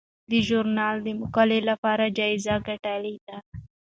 دې ژورنال د مقالو لپاره جایزې ګټلي دي.